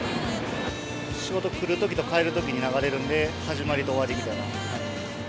仕事来るときと帰るときに流れるんで、始まりと終わりみたいな感じです。